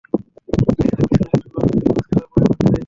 সেখানে পিছু নেয় দুর্ভাগ্য, দুই ম্যাচ খেলার পরেই ভেঙে যায় পা।